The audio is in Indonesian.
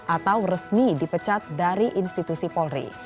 atau resmi dipecat dari institusi polri